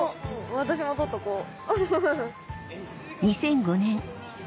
私も取っとこう。